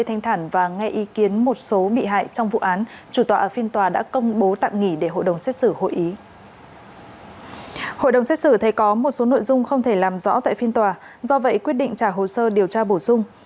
thầy có một số nội dung không thể làm rõ tại phiên tòa do vậy quyết định trả hồ sơ điều tra bổ sung